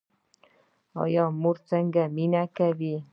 مور څنګه مینه کوي؟